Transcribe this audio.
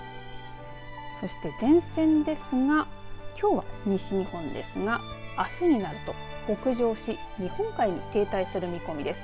そして、前線ですがきょうは西日本ですがあすになると北上し日本海に停滞する見込みです。